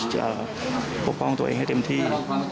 ปกป้องตัวเองให้เต็มที่